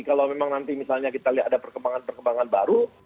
kalau memang nanti misalnya kita lihat ada perkembangan perkembangan baru